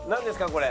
これ。